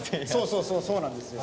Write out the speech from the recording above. そうそうそうなんですよ。